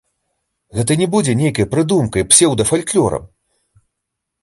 Гэта не будзе нейкай прыдумкай, псеўдафальклорам.